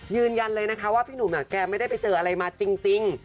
ยืนยันเลยนะคะว่าพี่หนุ่มแกไม่ได้ไปเจออะไรมาจริง